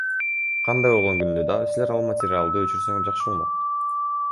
Кандай болгон күндө да силер ал материалды өчүрсөңөр жакшы болмок.